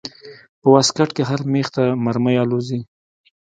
په واسکټ کښې هر مېخ لکه مرمۍ الوزي.